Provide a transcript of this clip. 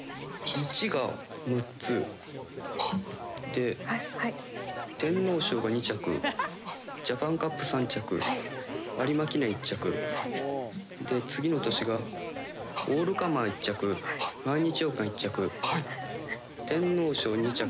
「で天皇賞が２着」「ジャパンカップ３着」「有馬記念１着」「で次の年がオールカマー１着」「毎日王冠１着」「天皇賞２着。